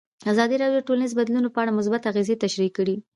ازادي راډیو د ټولنیز بدلون په اړه مثبت اغېزې تشریح کړي.